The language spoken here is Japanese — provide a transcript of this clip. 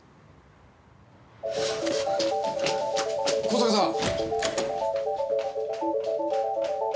小坂さん！